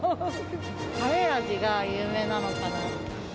カレー味が有名なのかな。